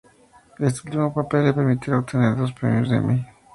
Este último papel le permitirá obtener dos premios Emmy.